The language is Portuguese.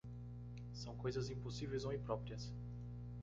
São coisas impossíveis ou impróprias.